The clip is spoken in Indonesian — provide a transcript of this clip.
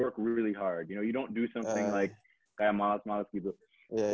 kamu tidak harus melakukan sesuatu seperti melakukan sesuatu yang tidak bisa dilakukan